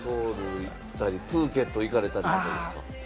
プーケット行かれたりとかですか？